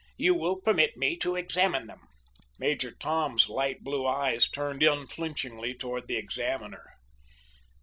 You will permit me to examine them." Major Tom's light blue eyes turned unflinchingly toward the examiner.